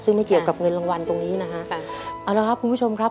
ซึ่งไม่เกี่ยวกับเงินรางวัลตรงนี้นะฮะค่ะเอาละครับคุณผู้ชมครับ